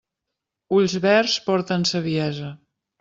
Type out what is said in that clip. Ulls verds porten saviesa.